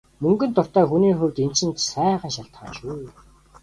Мөнгөнд дуртай хүний хувьд энэ чинь сайхан шалтгаан шүү.